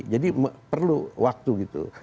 jadi perlu waktu gitu